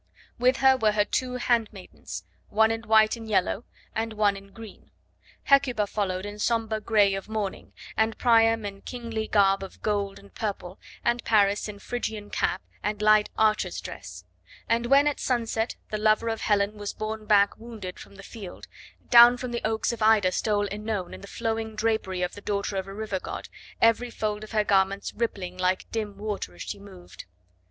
With her were her two handmaidens one in white and yellow and one in green; Hecuba followed in sombre grey of mourning, and Priam in kingly garb of gold and purple, and Paris in Phrygian cap and light archer's dress; and when at sunset the lover of Helen was borne back wounded from the field, down from the oaks of Ida stole OEnone in the flowing drapery of the daughter of a river god, every fold of her garments rippling like dim water as she moved.